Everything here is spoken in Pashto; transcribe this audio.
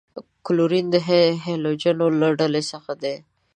کلورین د هلوجنو له ډلې څخه دی.